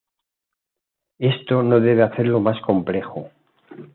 Esto no debe hacerlo más complejo.